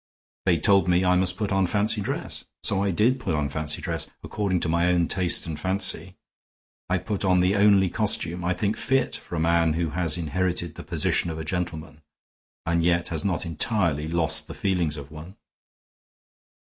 They told me I must put on fancy dress; so I did put on fancy dress, according to my own taste and fancy. I put on the only costume I think fit for a man who has inherited the position of a gentleman, and yet has not entirely lost the feelings of one."